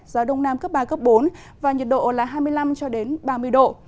gió đông nam cấp ba bốn và nhiệt độ là hai mươi năm ba mươi độ